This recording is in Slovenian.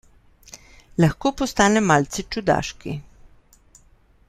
Lahko postane malce čudaški.